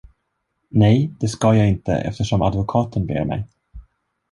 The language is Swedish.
Nej, det ska jag inte, eftersom advokaten ber mig.